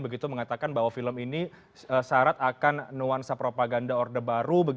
begitu mengatakan bahwa film ini syarat akan nuansa propaganda orde baru